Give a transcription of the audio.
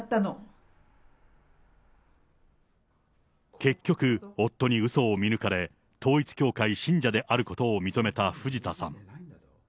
結局、夫にうそを見抜かれ、統一教会信者であることを認めた藤田さん。